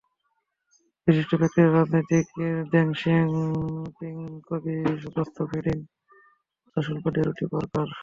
বিশিষ্ট ব্যক্তিত্ব—রাজনৈতিক Deng Xiaoping, কবি গুস্তাভ ফ্রোডিং, কথাশিল্পী ডরোথি পার্কার।